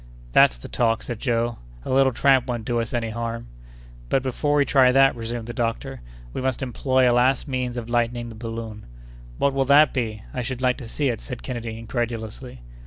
"That's the talk," said Joe; "a little tramp won't do us any harm." "But before we try that," resumed the doctor, "we must employ a last means of lightening the balloon." "What will that be? I should like to see it," said Kennedy, incredulously.